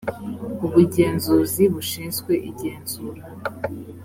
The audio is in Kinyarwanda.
ubugenzuzi bushinzwe igenzura